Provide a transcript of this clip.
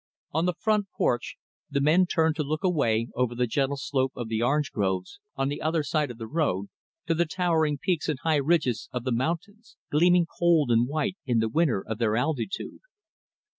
On the front porch, the men turned to look away over the gentle slope of the orange groves, on the other side of the road, to the towering peaks and high ridges of the mountains gleaming cold and white in the winter of their altitude.